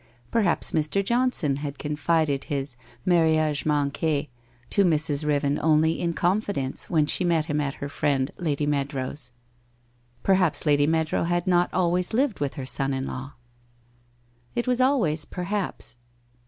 Perhaps Mr. Johnson had con fided his manage manque to Mrs. Riven only in confidence, when she met him at her friend, Lady Meadrow's? Per haps Lady Meadrow had not always lived with her son in law? It was always 'perhaps.'